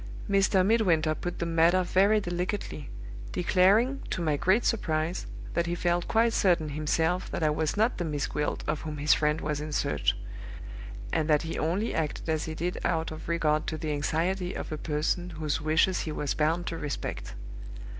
Mr. Midwinter put the matter very delicately, declaring, to my great surprise, that he felt quite certain himself that I was not the Miss Gwilt of whom his friend was in search; and that he only acted as he did out of regard to the anxiety of a person whose wishes he was bound to respect.